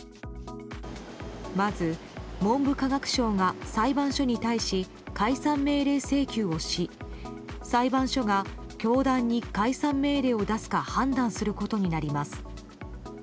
まず、文部科学省が裁判所に対し解散命令請求をし裁判所が教団に解散命令を出すか判断することになります。